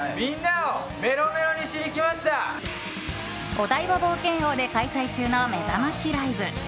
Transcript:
お台場冒険王で開催中のめざましライブ！